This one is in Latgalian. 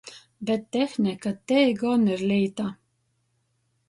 Bet tehnika – tei gon ir līta!